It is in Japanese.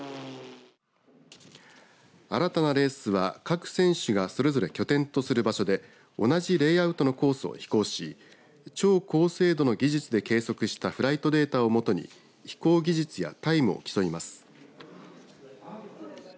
新たなレースは各選手がそれぞれ拠点とする場所で同じレイアウトのコースを飛行し超高精度の技術で計測したフライトデータをもとに飛行技術やタイムを競います。